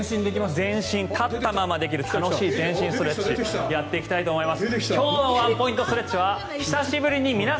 全身立ったままできるストレッチをやっていきたいと思います。